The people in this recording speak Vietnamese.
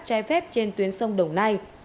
trái phép trên tuyến sông đồng nai